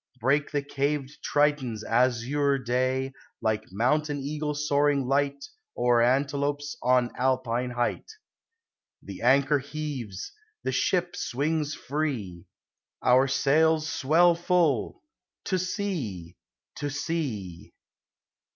Break the caved Triton's azure day, Like mountain eagle soaring lighl O'er antelopes on Alpine height. THe anchor heaves! The ship swings free! Our sails swell full! To sea! to sea!